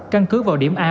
căn cứ vào điểm a